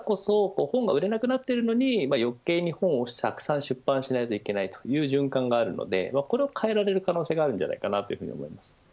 だからこそ本が売れなくなっているのに余計に本をたくさん出版しないといけないという循環があるのでこれを変えられる可能性があるのではと思います。